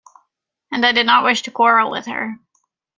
And I did not wish to quarrel with her.